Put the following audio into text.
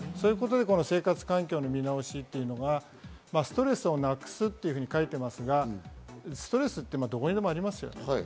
生活環境の見直しというのが、ストレスをなくすと書いてますが、ストレスはどこにでもあります。